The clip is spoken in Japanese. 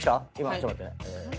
ちょっと待ってね。